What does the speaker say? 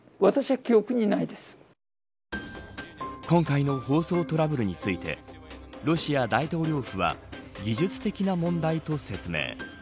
今回の放送トラブルについてロシア大統領府は技術的な問題と説明。